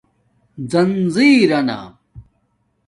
زنجیرنا